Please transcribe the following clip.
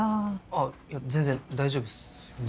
あっいや全然大丈夫っす。